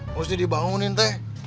mesti dibangunin teh